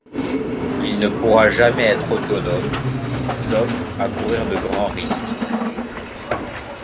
Il ne pourra jamais être autonome, sauf à courir de grands risques.